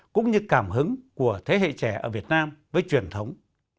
cũng như cảm hứng của thế hệ trẻ ở việt nam với truyền thống